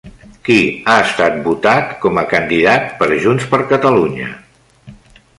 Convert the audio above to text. Qui ha estat votat com a candidat per Junts per Catalunya?